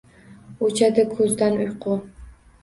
O’chadi ko’zdan uyqu